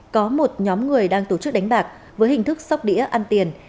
có một nhóm người đang tổ chức đánh bạc với hình thức sóc đĩa ăn tiền